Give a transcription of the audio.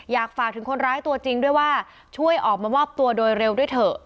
อยากฝากถึงคนร้ายตัวจริงด้วยว่าช่วยออกมามอบตัวโดยเร็วด้วยเถอะ